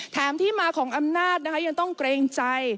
ที่มาของอำนาจนะคะยังต้องเกรงใจ